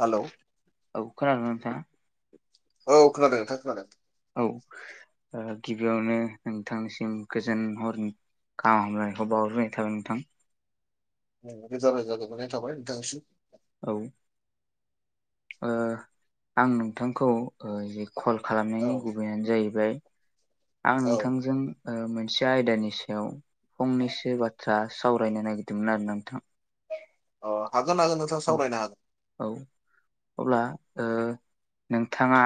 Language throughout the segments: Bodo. हेलौ औ खोनादोंना नोंथाङा? औ खोनादों नोंथां खोनादों औ गिबियावनो नोंथांनिसिम गोजोन हरनि गाहाम हामलनायखौ बावहरग्रोनाय थाबाय नोंथां रोजा रोजा गोजोननाय थाबाय नोंथांसिम औ ओ आं नोंथांखौ ओ जि कल औ खालामनायनि गुबैयानो जाहैबाय आं औ नोंथांजों ओ मोनसे आयदानि सायाव फंनैसो बाथ्रा सावरायनो नागिरदोंमोन आरो नोंथां अ हागोन हागोन नोंथां औ सावरायनो हागोन औ अब्ला ओ नोंथाङा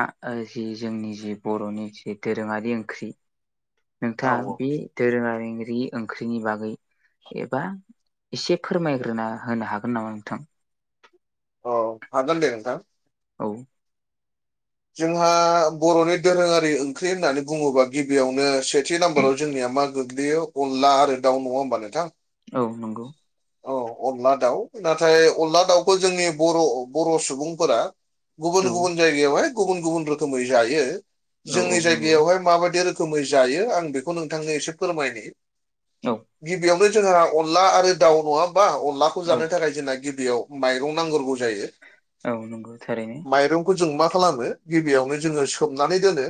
जि जोंनि जि बर'नि जि दोरोङारि ओंख्रि औ नोंथाङा बे दोरोङारि ओंख्रिनि बागै एबा एसे फोरमायग्रोना होनो हागोन नामा नोंथां औ हागोन दे नोंथां। औ जोंहा बर'नि दोरोङारि ओंख्रि होननानै बुङोबा गिबियावनो सेथि नाम्बाराव जोंनिया मा गोग्लैयो अनला आरो दाउ नङा ओमबा नोंथां? औ नंगौ। औ अनला दाउ नाथाय अनला दाउखौ जोंनि बर' बर' सुबुंफोरा औ गुबुन गुबुन जायगायावहाय गुबुन गुबुन रोखोमै जायो औ औ जोंनि नंगौ जायगायावहाय माबायदि रो खोमै जायो आं बेखौ नोंथांनो एसे फोरमायनि। औ गिबियावनो जोंहा अनला आरो दाउ नङा ओमबा अनलाखौ औ जानो थाखाय जोंना गिबियाव माइरं नांग्रोगौ जायो। औ नंगौ थारैनो। खौ जों मा खालामो गिबियावनो जोङो सोमनानै दोनो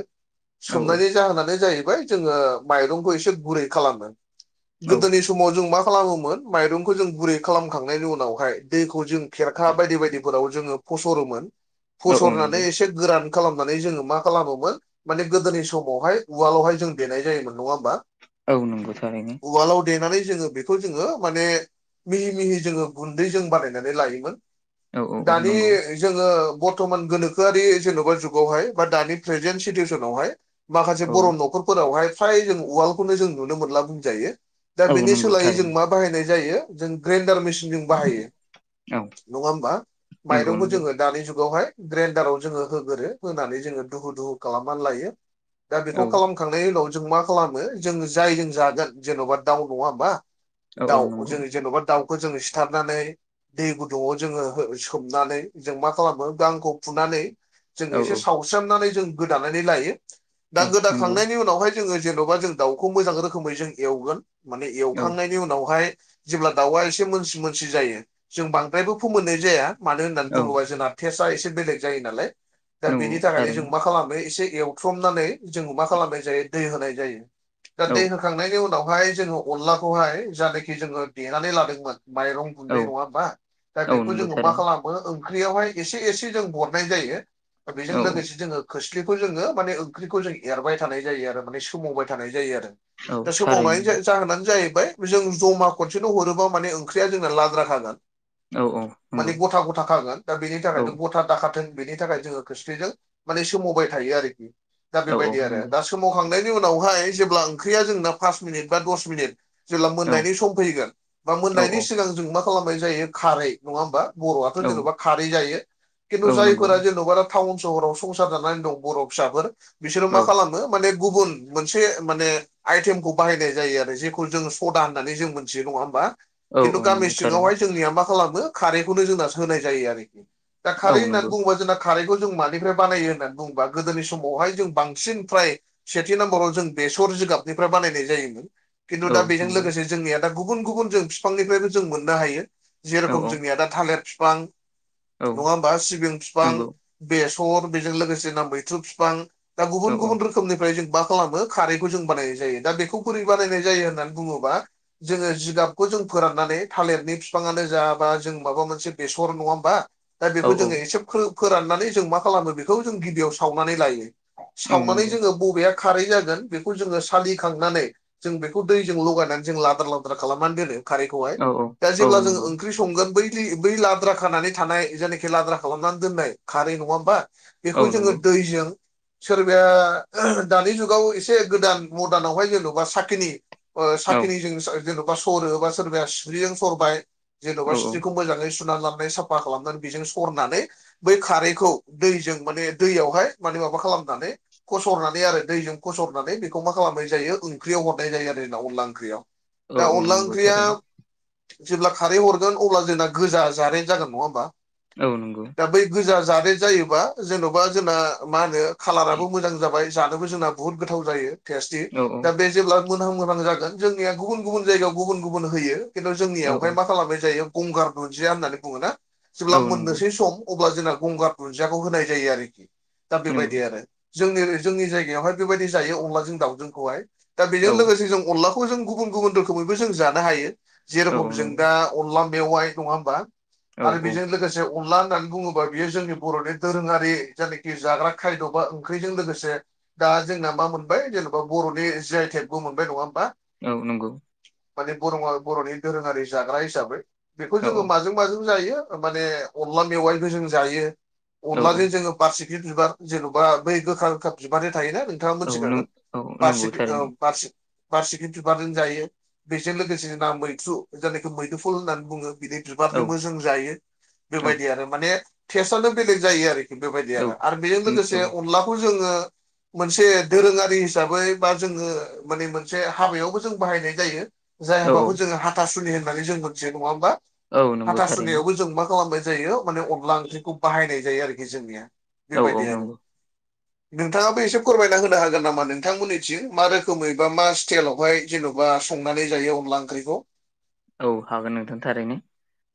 औ सोमनायनि जाहोनानो जाहैबाय जोङो माइरंखौ एसे गुरै खालामो औ गोदोनि स समाव जों मा खालामोमोन माइरंखौ जों गुरै खालामखांनायनि उनावहाय दैखौ जों खेरखा बायदि बायदिफोराव जोङो फसरोमोन औ औ फसरनानै नंगौ एसे गोरान खालामनानै जोङो मा खालामोमोन माने गोदोनि समावहाय उवालावहाय जों देनाय जायोमोन नङा ओमबा? औ नंगौ थारैनो। उवालाव देनानै जोङो बेखौ जोङो माने मिहि मिहि जोङो गुन्दै जों बानायनानै लायोमोन। औ औ औ दानि नंगौ जोङो बरथमान गोनोखोआरि जेनबा जुगावहाय बा दानि प्रेजेन‌ सितुयेसनावहाय माखासे औ बर' नखर फोरावहाय फ्राय जों उवालखौनो जों नुनो मोनला बुंजायो दा औ बेनि नंगौ सोलायै जों थारैनो मा बायनाय जायो जों ग्रेनडार मेचिन जों बाहायो औ नङा होमबा नंगौ माइरंखौ नंगौ जोङो दानि जुगावहाय ग्रेनडाराव जोङो होगोरो होनानै जोङो दुहु दुहु खालामनानै लायो दा औ बेखौ खालाम खांनायनि उनाव जों मा खालामो जों जायजों जागोन जेनबा दाउ नङा होमबा? औ औ दाउ नंगौ जोङो जेनबा दाउखौ जोङो सिथारनानै दै गुदुङाव जोङो सोमनानै जों मा खालामो गांखौ फुनानै जों औ एसे सावस्रोमनानै जों गोदानानै लायो दा औ नंगौ गोदाखांनायनि उनावहाय जोङो जेनबा जों दाउखौ मोजां रोखोमै जों एवगोन माने औ एवखांनायनि उनावहाय जेब्ला दाउआ एसे मोनसि मोनसि जायो जों बांद्रायबो फोमोननाय जाया मानो होननानै औ बुङोबा जोंना टेस्टआ एसे बेलेग जायो नालाय दा नंगौ बेनि थाखायनो जों थारैनो मा खालामो एसे एव थ्रमनानै जोंङो मा खालामनाय जायो दै होनाय जायो दा औ दै खांनायनि उनावहाय जोङो अनलाखौहाय जानोखि जोङो देनानै लादोंमोन माइरं औ गुन्दै नङा ओमबा दा औ बेखौ नंगौ जोङो मा थारैनो खालामो ओंख्रियावहाय एसे एसे जों हरनाय जायो। बेजों औ लोगोसे जोङो खोस्लिखौ जोङो माने ओंख्रिखौ जों एरबाय थानाय जायो आरो माने सोमावबाय थानाय जायो आरो। औ दा थारैनो सोमावनायनि जाहोनानो जाहैबाय। जों जमा खनसेल' हरोबा माने ओंख्रिया जोंना लाद्राखागोन। औ औ नंगौ माने गथा गथा खागोन दा बेनि औ थाखायनो गथा दाखाथों बेनि थाखाय जोङो। खोस्लिजों माने सोमावबाय थायो आरोखि दा औ औ बेबायदि आरो नंगौ दा सोमावखांनायनि उनावहाय जेब्ला ओंख्रिया जोंना पास मिनिट बा दस मिनिट जेब्ला औ मोननायनि सम फैगोन बा औ मोननायनि सिगां जों मा खालामनाय जायो खारै नङा ओमबा बर'आथ' जेनबा खारै जायो औ खिन्थु नंगौ जायफोरा जेनबा टाउन सहराव संसार जानानै दं बर' फिसाफोर बिसोरो औ मा खालामो माने गुबुन मोनसे माने आइटेमखौ बाहायनाय जायो आरो जेखौ जोङो सदा होननानै जों मोनथियो नङा होमबा? औ खिन्थु औ गामि नंगौ थारैनो सिङावहाय जोंनिया मा खालामो खारैखौनो जोंना होनाय जायो आरोखि दा औ खारै होननानै नंगौ बुङोबा जोंना खारैखौ जों मानिफ्राय बानायो होननानै बुङोबा गोदोनि समावहाय जों बांसिन फ्राय सेथि नाम्बाराव जों बेसर जिगाबनिफ्राय बानायनाय जायोमोन। खिन्थु औ दा बेजों नंगौ लोगोसे जोंनिया दा गुबुन गुबुन जों बिफांनिफ्रायबो जों मोननो हायो। औ औ जेरखम जोंनिया दा थालिर बिफां औ नङा होमबा सिबिं बिफां नंगौ बेसर बेजों लोगोसे ना मैथ्रु फिफां दा औ गुबुन औ गुबुन रोखोमनिफ्राय जों मा खालामो खारैखौ जों बानायनाय जायो दा बेखौ बोरै बानायनाय जायो होननानै बुङोबा जोङो जिगाबखौ जों फोराननानै थालिरनि बिफाङानो जाबा जों माबा मोनसे बेसर नङा होमबा। दा औ बेखौ औ जोङो एसे फो फोराननानै जों मा खालामो बेखौ जों गिबियाव सावनानै लायो। औ सावनानै नंगौ जोङो बबेया खारै जागोन बेखौ जोङो सालिखांनानै। जों बेखौ दैजों लगायनानै जों लादार लाद्रार खालामनानै दोनो खारैखौहाय औ औ दा औ जेब्ला जों नंगौ ओंख्रि संगोन बै दै बै लाद्रा खानानै थानाय जायनाखि लाद्रा खालामनानै दोननाय खारै नङा होमबा औ बेखौ जोङो नंगौ दैजों सोरबाया दानि जुगाव एसे गोदान मदार्नावहाय जेनेबा साख्नि ओ औ साखिनिजों जेन'बा सरो बा सोरबाया सिस्रिजों सरबाय जेन'बा औ सिस्रिखौ मोजाङै सुनानै लाबनाय साफा खालामनानै बेजों सरनानै बै खारैखौ दैजों माने दैयावहाय माने माबा खालामनानै। फसरनानै आरो दैजों खसरनानै बेखौ मा खालामनाय जायो ओंख्रियाव हरनाय जायो आरो जोंना अनला ओंख्रियाव औ दा औ अनला नंगौ ओंख्रिआ थारैनो जेब्ला खारै हरगोन अब्ला जोंना गोजा जारेद जागोन नङा होमबा औ नंगौ दा बै गोजा जारेद जायोबा जेन'बा जोंना मा होनो खालाराबो मोजां जाबाय जानोबो जोंना। बुहुद गोथाव जायो। टेस्टि औ दा बे जेब्ला मोनहाम मोनहां जागोन जोंनिया गुबुन गुबुन जायगायाव गुबुन गुबुन होयो। खिन्थु औ जोंनियावहाय मा खालामनाय जायो गंगार दुुनदिया होननानै बुङोना औ जेब्ला नंगौ मोननोसै सम अब्ला जोंना गंगार दुनन्दियाखौ होनाय जायो आरोखि दा नंगौ बेबायदि आरो। जोंनि जोंनि जायगायावहाय बेबायदि जायो अनलाजों दाउजोंखौहाय दा औ बेजों लोगोसे जों अनला खौ जों गुबुन गुबुन रोखोमैबो जों जानो हायो औ औ जेरेखम जों नंगौ दा अनला मेवाइ नङा होमबा औ आरो औ बेजों लोगोसे अनला होननानै बुङोबा बियो जोंनि बर'नि दोरोङारि जायनाखि जाग्रा खायद' बा ओंख्रिजों लोगोसे। दा जोंना मा मोनबाय जेन'बा बर'नि जिआइ टेकबो मोनबाय नङा होमबा औ नंगौ माने बर' बर'नि दधोरोङारि जाग्रा हिसाबै बेखौ औ जोङो माजों। माजों जायो माने अनला मेआइबो जों जायो औ औ अनलाजों [unintelligible] बारसिखि बिबार जेन'बा बै गोखा गोखा बिबारनि थायोना नों ङा औ नों मोनथिखागोन औ नंगौ बासिखि ओ थारैनो बासिखि बारसिखि बिबारजों जायो बेजों लोगोसे जोंना मैथ्रु जायनाखि मैदुफुल होननानै बुङो बिदि औ बिबारजोंबो जों जायो औ बेबायदि आरो माने टेस्टआनो बेलेग जायो आरोखि बेबायदि औ आरो आरो बेजों उम औ लोगोसे अनलाखौ जोङो मोनसे दोरोङारि हिसाबै बा जोङो माने मोनसे हाबायावबो जों बाहायनाय जायो जाय औ हाबाखौ जोङो हाथासुनि होननानै जों मोनथियो नङा होमबा औ नंगौ थारैनो हाथासुनियावबो जों मा खालामनाय जायो माने अनला ओंख्रिखौ बाहायनाय जायो आरोखि जोंनिया औ औ बेबायदि आरो नंगौ [inaudible] नोंथाङाबो एसे फोरमायना होनो हागोन नामा नोंथांमोननिथिं मा रोखोमै बा मा स्टाइलावहाय जेन'बा संनानै जायो अनला ओंख्रिखौ औ हागोन नोंथां थारैनो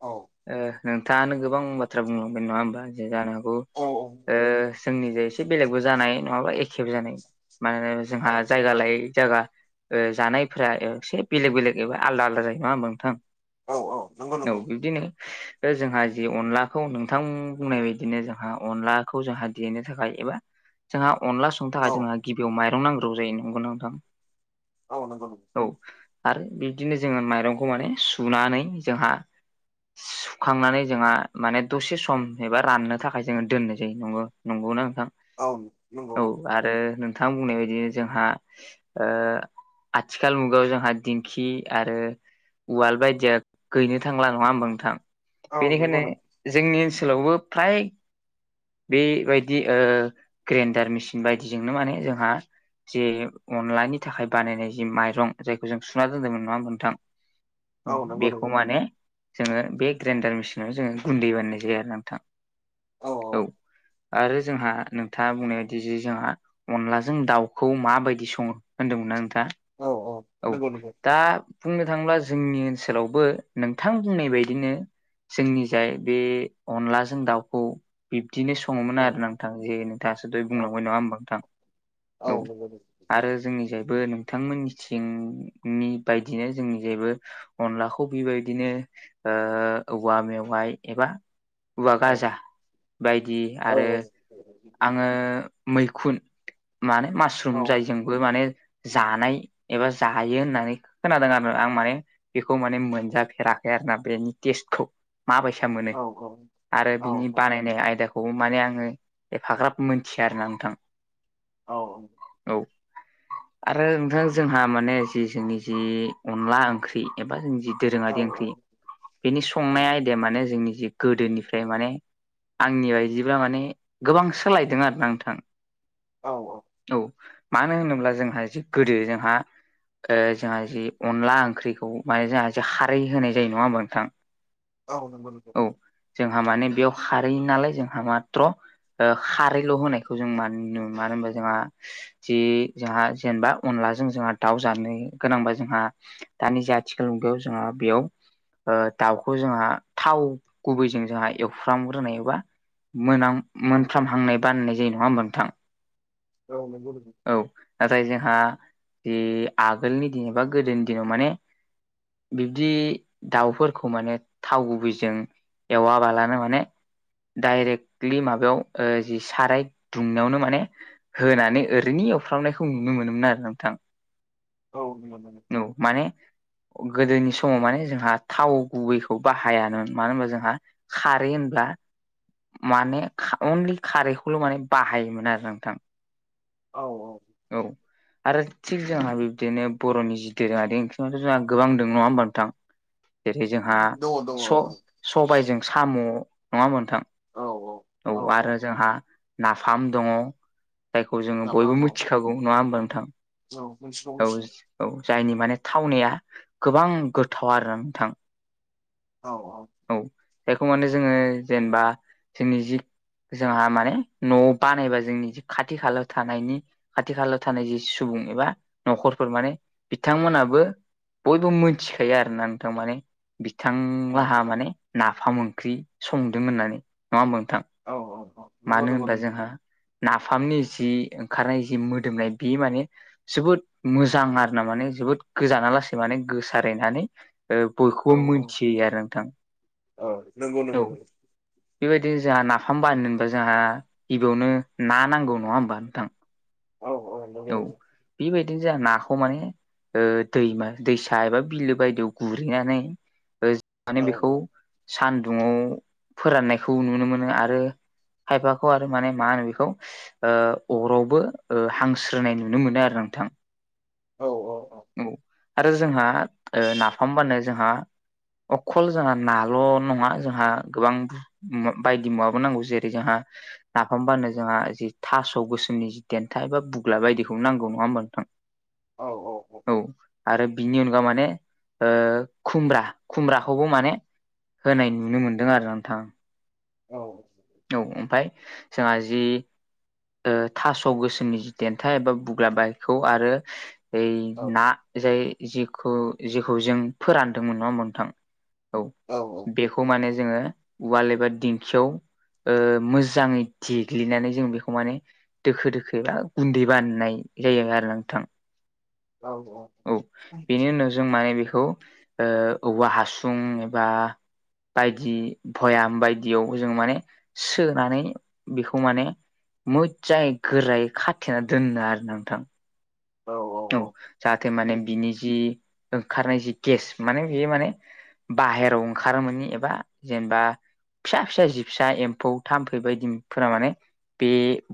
औ ओ नोंथाङानो गोबां बाथ्रा बुंलांबाय नङा होमबा जे जानो हागौ औ ओ जोंनिजों एसे बेलेगबो जानाय नङाबा एखे जानाय मानोना जोंहा औ जायगा लायै जायगा ओ जानायफोरा एसे बेलेग बेलेग एबा आलदा आलदा जायो नङा होमबा नोंथां औ औ नंगौ औ नंगौ बिबदिनो जोंहा जि अनलाखौ नोंथां बुंनाय बादिनो जोंहा अनलाखौ जोंहा देनो थाखाय एबा जोंहा अनला संनो औ थाखाय जोंहा गिबियाव माइरं नांग्रोग्रौ जायो नंगौना नोंथां औ नंगौ औ आरो बिदिनो जोङो माइरंखौ माने सुनानै जोंहा सुखांनानै जोंहा माने दसे सम एबा राननो थाखाय जोङो दोननाय जायो नंगौ नंगौना नोंथां औ नंगौ औ नंगौ आरो नोंथां बुंनाय बायदि जोंहा ओ आथिखाल मुगायाव जोंहा दिंखि आरो उवाल बायदिया गैनो थांला नङा होमबा नोंथां औ नंगौ बेनिखायनो नंगौ जोंनि ओनसोलावबो फ्राय बेबायदि ओ ग्रेन्डार मेसिन बायदिजोंनो माने जोंहा जे अनलानि थाखाय बानायनाय जि माइरं जायखौ जों सुना दोनदोंमोन नङा होमबा नोंथां औ नंगौ बेखौ नंगौ माने जोङो बे ग्राइन्डार मेसिनाव जोङो गुन्दै बानायनाय जायो आरो नोंथां औ आरो जोंहा नोंथाङा बुंनाय बायदि जे जोंहा अनलाजों दाउखौ माबायदि सङो होनदोंमोनना नोंथाङा औ औ नंगौ नंगौ दा बुंनो बुंनो थांब्ला जोंनि ओनसोलावबो नोंथां बुंनाय बायदिनो जोंनि जाय बे अनलाजों दाउखौ बिब्दिनो स सङोमोन औ आरोना नोंथां जे नोंथाङासो दहाय बुंलांबाय नङा होमबा नोंथां औ नंगौ नंगौ आरो जोंनि जायबो नोंथांमोननिथिंनि बायदिनो जोंनि जायबो अनलाखौ बेबायदिनो औवा मेवाइ एबा औवा औ गाजा बायदि औ आरो औ आङो मैखुन माने मासरुम जायजोंबो माने जानाय एबा जायो होननानै खोनादों आरो आं माने बेखौ माने मोनजाफेराखै आरोना बेनि टेस्टखौ माबैसा मोनो औ आरो बिनि बानाय नाय आयदाखौबो माने आङो एफाग्राब मोनथिया आरोना नोंथां औ औ आरो नोंथां जोंहा माने जि जोंनि जि अनला ओंख्रि एबा जि दोरोङारि ओंख्रि नंगौ बेनि संनाय आयदेया माने जोंनि जि गोदोनिफ्राय माने आंनि बायदिब्ला माने गोबां सोलायदों आरोना नोंथां औ औ औ मानो होनोब्ला जोंहा जि गोदो जोंहा ओ जोंहा जि अनला ओंख्रिखौ माने जोंहा जे खारै होनाय जायो नङा होमबा नोंथां औ नंगौ औ जोंहा माने बेयाव खारै नालाय जोंहा माथ्र खारैल होनायखौ जों मानो नुनो मोनो होनबा जोंहा जि जोंहा जेनेबा अनलाजों जोंहा दाउ जानो गोनांबा जोंहा दानि जा आथिखाल मुगायाव जोंहा बेयाव ओ दाउखौ जोंहा थाव गुबैजों जोंहा एवफ्राम ग्रोनाय एबा मोनाम औ मोनफ्रामहांनाय बानायनाय जायो नङा होमबा नोंथां औ नंगौ औ नाथाय जोंहा जि आगोलनि दिन एबा गोदोनि दिनाव माने बिब्दि दाउफोरखौ माने थाव गुबैजों एवा बालानो माने डाइरेक्टलि माबायाव ओ जि साराय दुंनायावनो माने होनानै ओरैनो एवफ्रामनायखौ नुनो मोनोमोन आरो नोंथां औ मोनो [unintelligible] औ माने गोदोनि समाव माने जोंहा थाव गुबैखौ बाहायान मानो होनबा जोंहा खारै होनब्ला माने अनलि खारैखौल' माने बाहायोमोन आरो नोंथां। औ औ औ आरो थिग जोंहा बिब्दिनो बर'नि जि दोरोङारि ओंख्रियावथ' जोंहा गोबां दोङो नङा होमबा नोंथां? जेरै जोंहा दङ दङ स औ स दङ सबाइजों साम' नङा ओमबा नोंथां औ औ आरो जोंहा नाफाम दङ। जायखौ जोङो बयबो नाफाम औ मिथिखागौ नङा ओमबा नोंथां औ मिथिगौ औ मिथिगौ औ जायनि माने थावनाया गोबां गोथाव आरोना नोंथां। औ औ औ बेखौ माने जोङो जेनबा जोंनि जि जोंहा माने न'वाव बानायबा जोंनि खाथि खालायाव थानायनि आथि खालाव थानाय जि सुबुं एबा नखरफोर माने बिथांमोनाबो बयबो मोनथिखायो आरोना नोंथां माने औ बिथांलाहा माने नाफाम ओंख्रि संदों होननानै नङा ओमबा नोंथां? औ औ औ नंगौ मानो नंगौ होनब्ला नंगौ जोंहा नाफामनि जि ओंखारनाय जि मोदोमनाय बि माने जोबोद मोजां आरोना माने जोबोद गोजाना लासै माने गोसारहैनानै ओ औ बयखौबो औ मिथियो होयो आरो नोंथां औ नंगौ नंगौ औ नंगौ बेबायदिनो जोंहा नाफाम बायनो होनबा जोंहा गिबियावनो ना नांगौ नङा ओमबा नोंथां। औ औ नंगौ नोंथां बेबायदिनो जोंहा नाखौ माने ओ दैमा दैसा एबा बिलो बायदियाव गुरहैनानै ओ माने बेखौ नंगौ सान्दुंआव फोराननायखौ नुनो मोनो आरो खायफाखौ आरो माने मा होनो बेखौ ओ अरावबो ओ हां स्रोनाय नुनो मोनो आरो नोंथां। औ औ औ औ आरो जोंहा ओ नाफामबानो जोंहा अखल जोंहा नाल' नङा जोंहा गोबां बायदि मुवाबो नांगौ जेरै जोंहा नाफाम बानायनो जोंहा जि थास' गोसोमनि जि देन्था एबा बुग्ला बायदिखौ नांगौ नङा ओमबा नोंथां? औ औ औ आरो बिनि अनगा माने ओ खुमब्रा खुमब्राखौबो माने होनाय नुनो मोन्दों आरो नोंथां। औ जोङा जि ओ थास' गोसोमनि जि देन्था एबा बुग्ला बारिखौ आरो ओइ औ ना जाय जिखौ जेखौ जों फोरानदोंमोन नङा ओमबा नोंथां औ औ औ बेखौ माने जोङो उवाल एबा दिंखियाव ओ मोजाङै देग्लिनानै जों बे खौ माने दोखो दोखो एबा गुन्दै बानायनाय जायो आरो नोंथां। औ औ औ बेनि उनाव जों माने बेखौ ओ औवा हासुं एबा बायदि भयाम बायदियाव जों माने सोनानै बेखौ माने मोजाङै गोरायै खाथेना दोनो आरो नोंथां। औ जाहाथे माने बिनि जि ओंखारनाय जि गेस माने बेयो माने बाहेराव ओंखारोमोनि एबा जेनबा फिसा फिसा जि फिसा एम्फौ थाम्फै बायदिफोरा माने बे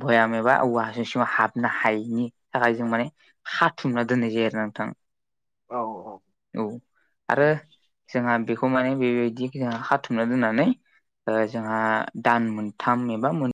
भयाम एबा औवा हासुं सिङाव हाबनो हायिनि थाखाय जों माने हाथुमना दोननाय जायो आरोना नोंथां औ औ औ औ आरो जोंहा बेखौ माने बेबायदि जोंहा हाथुमना दोननानै जोंहा दान मोनथाम एबा मोन